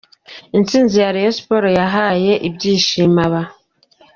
Intsinzi ya Rayon Sports yahaye ibyishimo aba.